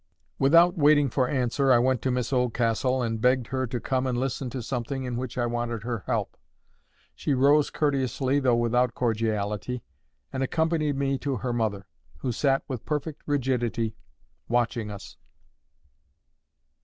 Without waiting for answer, I went to Miss Oldcastle, and begged her to come and listen to something in which I wanted her help. She rose courteously though without cordiality, and accompanied me to her mother, who sat with perfect rigidity, watching us.